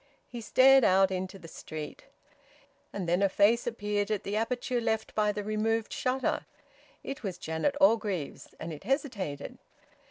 He stared out into the street. And then a face appeared at the aperture left by the removed shutter. It was Janet Orgreave's, and it hesitated.